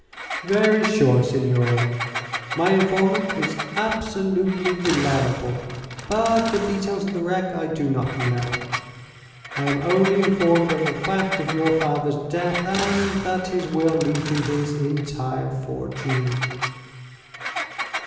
"Very sure, signore. My informant is absolutely reliable. But the details of the wreck I do not know. I am only informed of the fact of your father's death, and that his will leaves you his entire fortune."